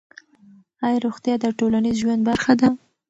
آیا روغتیا د ټولنیز ژوند برخه ده؟